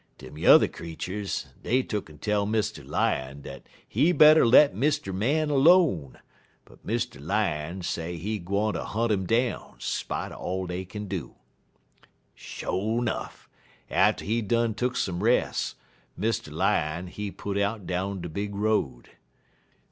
Dem yuther creeturs, dey tuck'n tell Mr. Lion dat he better let Mr. Man 'lone, but Mr. Lion say he gwine ter hunt 'im down spite er all dey kin do. "Sho' nuff, atter he done tuck some res', Mr. Lion, he put out down de big road.